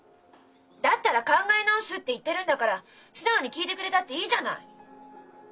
だったら考え直すって言ってるんだから素直に聞いてくれたっていいじゃない！